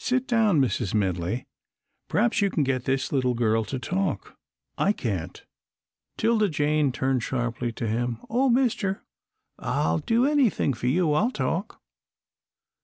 "Sit down, Mrs. Minley. P'raps you can get this little girl to talk; I can't." 'Tilda Jane turned sharply to him. "Oh, mister, I'd do anything for you. I'll talk."